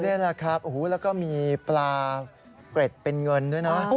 นี่แหละครับแล้วก็มีปลาเกร็ดเป็นเงินด้วยนะ